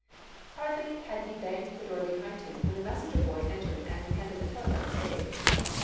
Hardly had he banged the door behind him when a messenger boy entered and handed a telegram to Abe.